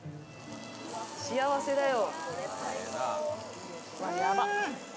幸せだよ。